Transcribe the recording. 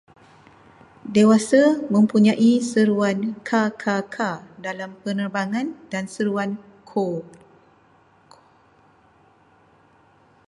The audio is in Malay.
Dewasa mempunyai seruan ka-ka-ka dalam penerbangan dan seruan ko